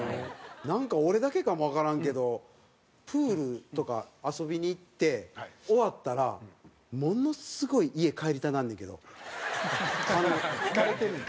なんか俺だけかもわからんけどプールとか遊びに行って終わったらものすごい疲れてるんですよ。